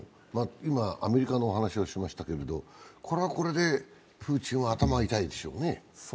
今アメリカの話をしましたがこれはこれでプーチンは頭が痛いでしょうね。